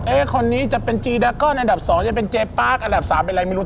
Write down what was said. คนนี้จะเป็นจีดาก้อนอันดับ๒จะเป็นเจปาร์คอันดับ๓เป็นอะไรไม่รู้